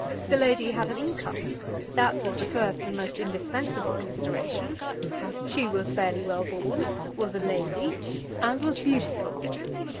The lady had an income. That was the first and most indispensable consideration. She was fairly well born, was a lady, and was beautiful.